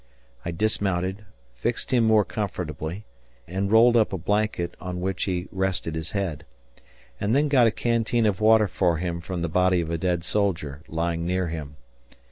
I dismounted, fixed him more comfortably, and rolled up a blanket on which he rested his head, and then got a canteen of water for him from the body of a dead soldier lying near him.